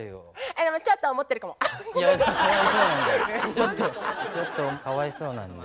ちょっとかわいそうなので。